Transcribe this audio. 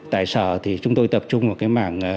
tại sở thì chúng tôi tập trung vào cái mảng